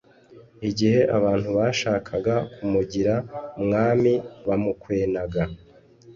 igihe abantu bashakaga kumugira Umwami bamukwenaga,